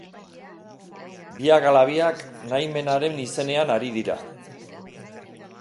Biak ala biak nahimenaren izenean ari dira.